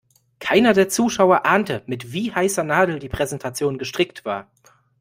Keiner der Zuschauer ahnte, mit wie heißer Nadel die Präsentation gestrickt war.